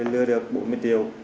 lừa được bốn mươi tiêu